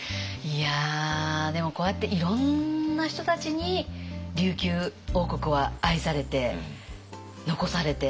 いやでもこうやっていろんな人たちに琉球王国は愛されて残されて伝統も。